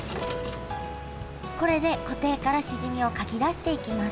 これで湖底からしじみをかき出していきます